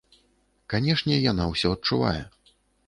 Канешне, яна ўсё адчувае.